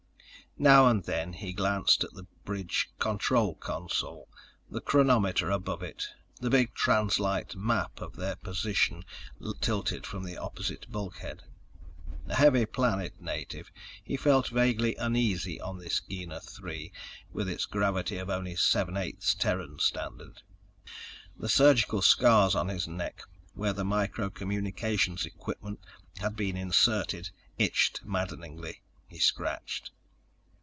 Now and then he glanced at the bridge control console, the chronometer above it, the big translite map of their position tilted from the opposite bulkhead. A heavy planet native, he felt vaguely uneasy on this Gienah III with its gravity of only seven eighths Terran Standard. The surgical scars on his neck where the micro communications equipment had been inserted itched maddeningly. He scratched.